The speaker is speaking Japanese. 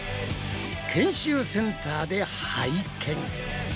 研修センターで拝見。